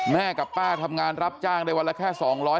กับป้าทำงานรับจ้างได้วันละแค่๒๐๐